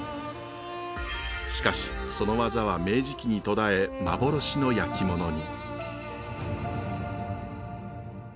しかしその技は明治期に途絶え幻の焼き物に。